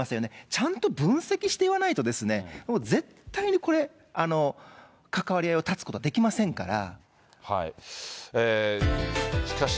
ちゃんと分析して言わないと、絶対にこれ、関わり合いを断つことできませんから。